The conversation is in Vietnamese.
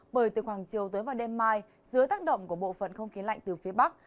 bởi từ khoảng chiều tối và đêm mai dưới tác động của bộ phận không khí lạnh từ phía bắc